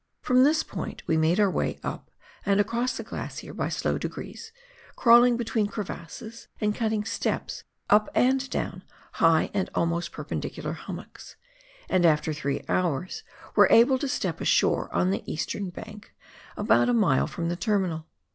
From this point we made our way up and across the glacier by slow degrees, crawling between crevasses, and cutting steps up and down high and almost perpendicular hummocks, and, after three hours, were able to step ashore on the eastern bank, about a mile from the terminal.